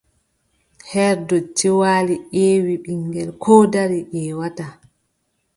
Her ndotti waali ƴeewi, ɓiŋngel koo dari ƴeewataa.